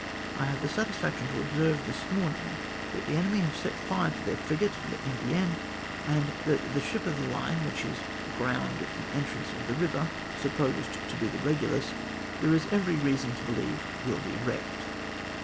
I have the satisfaction to observe this morning, that the enemy have set fire to their frigate Vlndienne, and that the ship of the line which is aground at the entrance of the river — supposed to be the Regulus — there is every reason to believe will be wrecked."